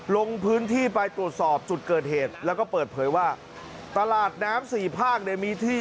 ลงพื้นที่ไปตรวจสอบจุดเกิดเหตุแล้วก็เปิดเผยว่าตลาดน้ำสี่ภาคเนี่ยมีที่